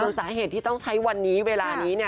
ตัวสาเหตุที่ต้องใช้วันนี้เวลานี้